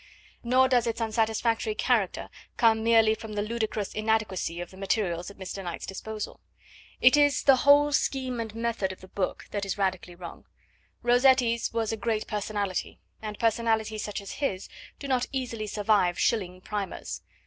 Nor does its unsatisfactory character come merely from the ludicrous inadequacy of the materials at Mr. Knight's disposal; it is the whole scheme and method of the book that is radically wrong. Rossetti's was a great personality, and personalities such as his do not easily survive shilling primers.